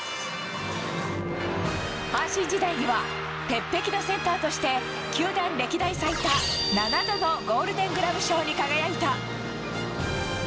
阪神時代には鉄壁のセンターとして球団歴代最多７度のゴールデングラブ賞に輝いた。